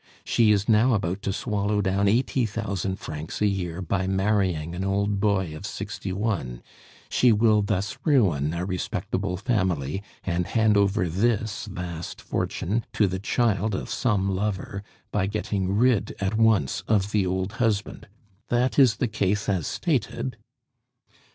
She is now about to swallow down eighty thousand francs a year by marrying an old boy of sixty one. She will thus ruin a respectable family, and hand over this vast fortune to the child of some lover by getting rid at once of the old husband. That is the case as stated."